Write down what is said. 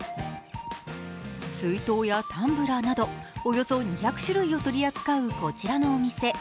水筒やタンブラーなど、およそ２００種類を取り扱うこちらのお店。